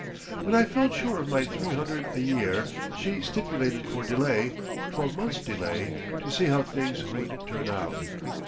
When I felt sure of my three hundred a year she stipulated for delay, twelve months' delay, "to see how things would turn out."